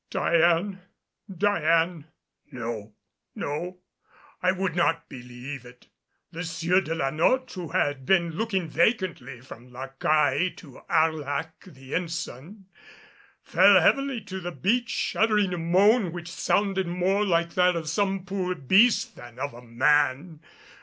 Diane Diane! No, no, I would not believe it! The Sieur de la Notte, who had been looking vacantly from La Caille to Arlac the Ensign, fell heavily to the beach uttering a moan which sounded more like that of some poor beast than of a man.